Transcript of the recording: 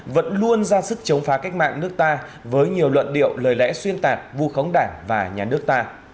vẫn luôn ra sức chống phá cách mạng nước ta với nhiều luận điệu lời lẽ xuyên tạc vu khống đảng và nhà nước ta